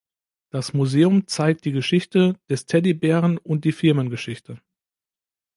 Das Museum zeigt die Geschichte des Teddybären und die Firmengeschichte.